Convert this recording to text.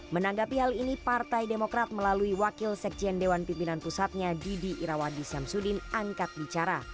menanggapi hal ini partai demokrat melalui wakil sekjen dewan pimpinan pusatnya didi irawadi syamsuddin angkat bicara